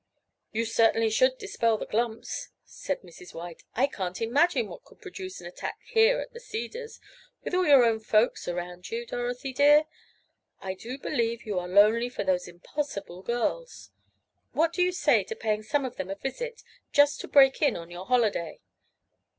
"You certainly should dispel the 'glumps,'" said Mrs. White. "I can't imagine what could produce an attack here at the Cedars, with all your own folks around you, Dorothy, dear. I do believe you are lonely for those impossible girls. What do you say to paying some of them a little visit, just to break in on your holiday?"